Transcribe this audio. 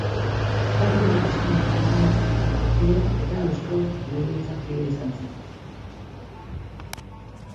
Herri Batasunako Mahai Nazionaleko kidea eta Eusko Legebiltzarkidea izan zen.